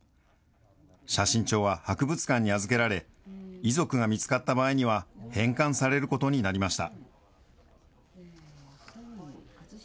写真帳は博物館に預けられ、遺族が見つかった場合には、返還されることになりました。